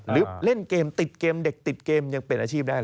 เล่นเกมติดเกมเด็กติดเกมยังเป็นอาชีพได้